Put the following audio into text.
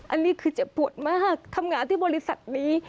อันนี้คือเจ็บปวดมากทำงานที่บริษัทนี้